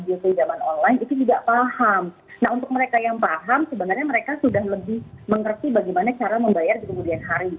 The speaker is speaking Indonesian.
nah kalau kita mengambil pinjaman online itu tidak paham nah untuk mereka yang paham sebenarnya mereka sudah lebih mengerti bagaimana cara membayar di kemudian hari